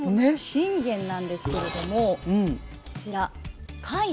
信玄なんですけれどもこちら甲斐